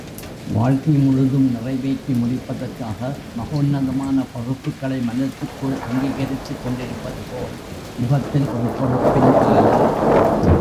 வாழ்க்கை முழுதும் நிறைவேற்றி முடிப்பதற்காக மகோன்னதமான பொறுப்புக்களை மனத்துக்குள் அங்கீகரித்துக் கொண்டிருப்பதுபோல் முகத்தில் ஒரு பொறுப்பின் சாயல்.